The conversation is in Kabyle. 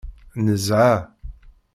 Nezha.